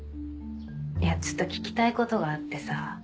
いやちょっと聞きたいことがあってさ。